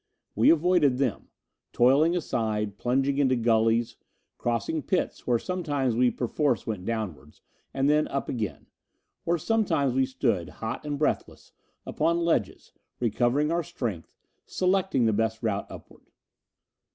We avoided them, toiling aside, plunging into gullies, crossing pits where sometimes we perforce went downwards, and then up again; or sometimes we stood, hot and breathless, upon ledges, recovering our strength, selecting the best route upward.